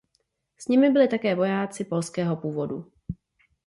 S nimi byly také vojáci polského původu.